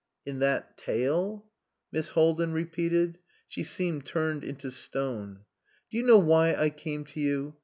"In that tale!" Miss Haldin repeated. She seemed turned into stone. "Do you know why I came to you?